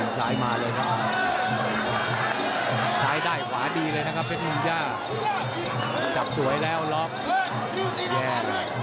สายได้ขวาดีเลยนะครับเป็นมุญญาจับสวยแล้วรอบแย่